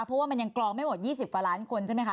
เพราะว่ามันยังกรองไม่หมด๒๐กว่าล้านคนใช่ไหมคะ